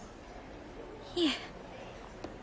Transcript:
いえ。